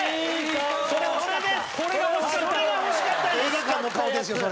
映画館の顔ですよそれ。